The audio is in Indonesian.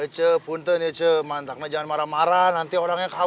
sampai jumpa di video selanjutnya